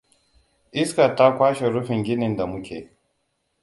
Iskar ta kwashe rufin ginin da muke.